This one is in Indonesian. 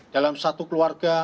dalam satu keluarga